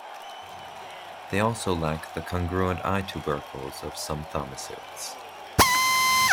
They also lack the congruent eye tubercles of some thomisids.